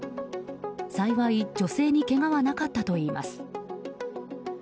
幸い、女性にけがはなかったといいます。